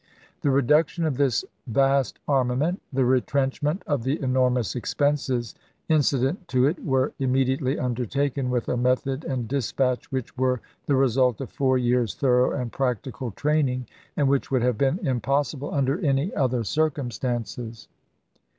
1 The reduction of this vast armament, the retrenchment of the enormous expenses incident to it, were immediately undertaken with a method and despatch which were the result of four years' thorough and practical training, and which would have been impossible under any other circum stances.